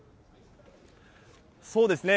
そうですね。